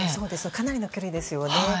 かなりの距離ですよね。